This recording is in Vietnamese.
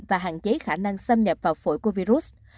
và hạn chế khả năng xâm nhập vào phổi của virus